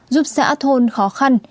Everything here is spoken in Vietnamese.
giúp xã thôn khó khăn